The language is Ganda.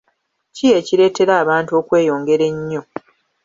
Ki ekireetera abantu okweyongera ennyo?